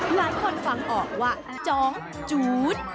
หลายคนฟังออกว่าจองจู๊ด